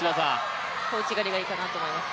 小内刈がいいかなと思います。